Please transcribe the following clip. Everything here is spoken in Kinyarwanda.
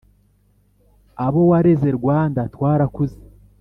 Abowareze Rwanda twarakuze